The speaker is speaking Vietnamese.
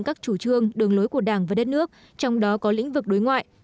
các chủ trương đường lối của đảng và đất nước trong đó có lĩnh vực đối ngoại